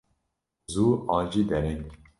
Zû an jî dereng.